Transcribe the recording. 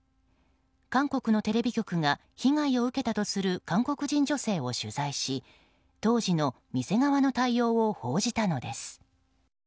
韓国のテレビ局が被害を受けたとする韓国人女性を取材し当時の店側の対応を報じたのです。